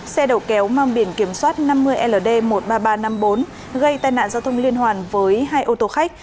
xe đầu kéo mang biển kiểm soát năm mươi ld một mươi ba nghìn ba trăm năm mươi bốn gây tai nạn giao thông liên hoàn với hai ô tô khách